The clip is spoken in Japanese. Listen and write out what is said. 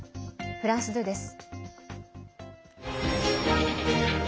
フランス２です。